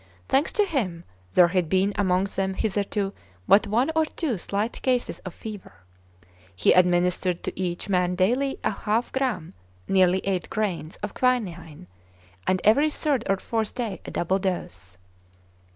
Thanks to him, there had been among them hitherto but one or two slight cases of fever. He administered to each man daily a half gram nearly eight grains of quinine, and every third or fourth day a double dose.